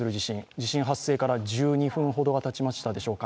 地震発生から１２分ほどがたちましたでしょうか。